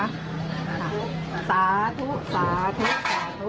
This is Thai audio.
สาธุสาธุสาธุสาธุ